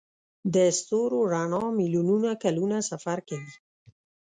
د ستورو رڼا میلیونونه کلونه سفر کوي.